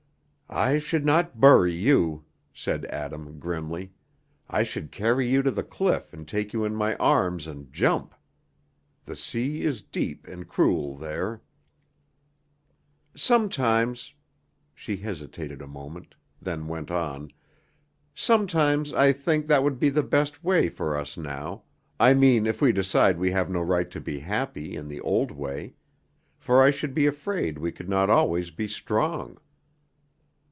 "I should not bury you," said Adam, grimly. "I should carry you to the cliff and take you in my arms and jump. The sea is deep and cruel there." "Sometimes," she hesitated a moment, then went on, "sometimes I think that would be the best way for us now, I mean if we decide we have no right to be happy in the old way; for I should be afraid we could not always be strong."